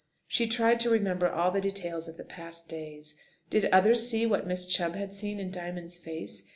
She tried to remember all the details of the past days. Did others see what Miss Chubb had seen in Diamond's face?